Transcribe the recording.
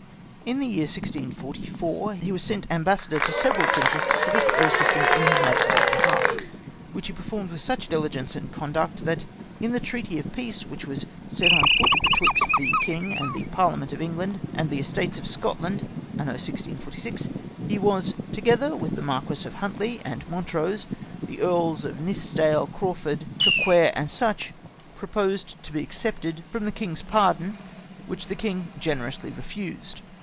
In the year 1644, he was sent ambassador to several princes to solicit their assistance in his Majesty's behalf, which he performed with such diligence and conduct, that in the treaty of peace which was set on foot betwixt the king and the Parliament of England and the Estates of Scotland, Anno 1646, he was, together with the Marquis of Huntly and Montrose, the Earls of Nithsdale, Crawfurd, Traquair, &c. proposed to be excepted 12 ACCOUNT OF Tllli DUXDOXALD FAMILY. from the king's pardon, wliicli his Majesty generously re fused.